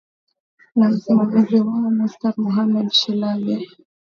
na msimamizi wao mustar mohamed shilabi